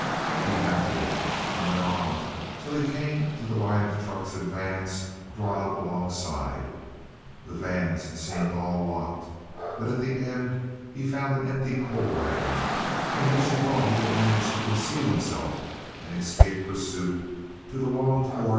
He mounted it and went on till he came to the line of trucks and vans drawn up alongside; the vans seemed all locked, but at the end he found an empty coal waggon in which he thought he could manage to conceal himself and escape pursuit till the longed for 7.